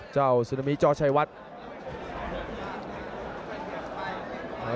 เจ้าสุนามีจอชัยวัฒน์